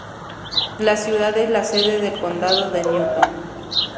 La ciudad es la sede del condado de Newton.